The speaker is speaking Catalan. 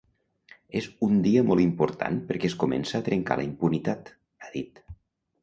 És ‘un dia molt important perquè es comença a trencar la impunitat’, ha dit.